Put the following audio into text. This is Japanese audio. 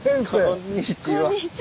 こんにちは。